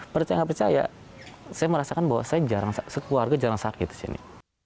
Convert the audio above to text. percaya nggak percaya saya merasakan bahwa saya jarang sekeluarga jarang sakit di sini